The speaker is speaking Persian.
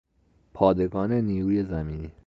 پادگان نیروی زمینی